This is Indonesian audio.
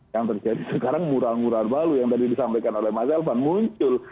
yang terjadi sekarang mural mural balu yang tadi disampaikan oleh mas elvan muncul